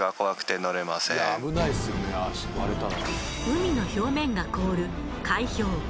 海の表面が凍る海氷。